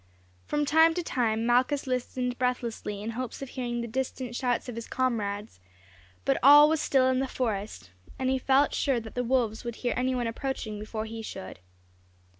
From time to time Malchus listened breathlessly in hopes of hearing the distant shouts of his comrades; but all was still in the forest, and he felt sure that the wolves would hear anyone approaching before he should.